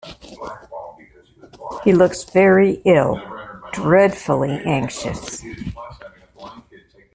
He looks very ill. Dreadfully anxious.